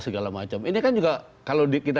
segala macam ini kan juga kalau kita